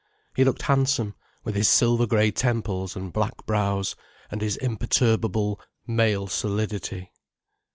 He looked handsome, with his silver grey temples and black brows, and his imperturbable male solidity.